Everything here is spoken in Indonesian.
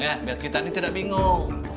ya biar kita ini tidak bingung